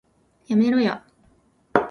やめろや